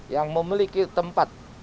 yang memiliki tempat